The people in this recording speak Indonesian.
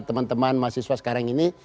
teman teman mahasiswa sekarang ini